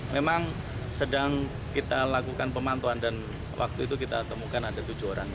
memang sedang kita lakukan pemantauan dan waktu itu kita temukan ada tujuh orang